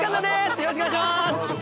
よろしくお願いします！